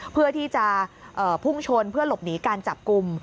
เพื่อที่จะพุ่งชนเพื่อหลบหนีการจับกลุ่ม